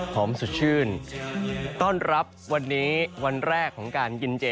สดชื่นต้อนรับวันนี้วันแรกของการกินเจ